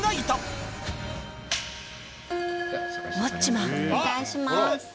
お願いします。